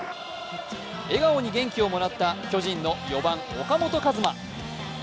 笑顔に元気をもらった巨人の４番・岡本和真。